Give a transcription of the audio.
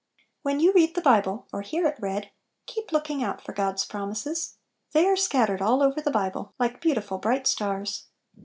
When you read the Bible, or hear it read; keep looking out for God's prom ises. They are scattered all over the Bible, like beautiful bright stars.